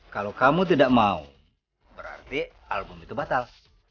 kalau kamu tidak mau berarti album itu batal